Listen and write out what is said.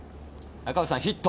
赤星さん、ヒット。